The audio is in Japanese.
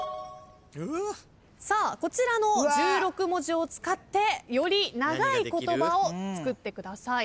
さあこちらの１６文字を使ってより長い言葉を作ってください。